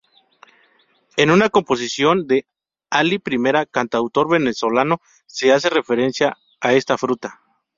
En una composición de Ali Primera cantautor Venezolano se hace referencia a esta fruta.